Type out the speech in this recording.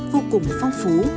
vô cùng phong phú